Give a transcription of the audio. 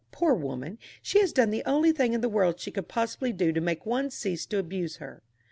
Poor woman, she has done the only thing in the world she could possibly do to make one cease to abuse her."